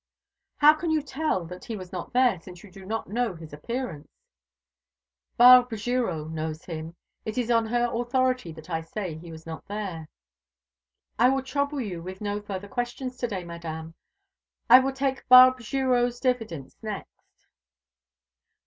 "How can you tell that he was not there, since you do not know his appearance?" "Barbe Girot knows him. It is on her authority that I say he was not there." "I will trouble you with no further questions to day, madame. I will take Barbe Girot's evidence next."